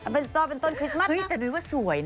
เป็นสตอลเป็นต้นคริสต์มัสแต่นุ้ยว่าสวยนะ